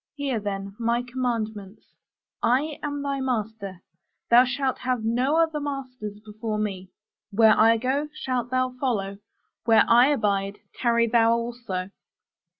Hear, then, my commandments: I am thy master: thou shalt have no other masters before me. Where I go, shalt thou follow; where I abide, tarry thou also.